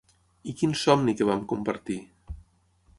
I quin somni que vam compartir!